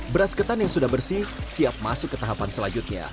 beras ketan yang sudah bersih siap masuk ke tahapan selanjutnya